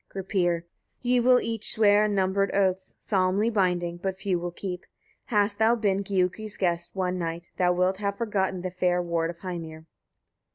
Gripir. 31. Ye will each swear unnumbered oaths, solemnly binding, but few will keep. Hast thou been Giuki's guest one night, thou wilt have forgotten the fair ward of Heimir.